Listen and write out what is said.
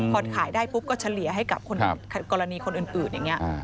พอขายได้ปุ๊บก็เฉลี่ยให้กับคนกรณีคนอื่นอย่างนี้